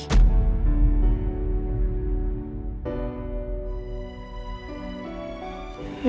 gue gak mau bikin ibu sedih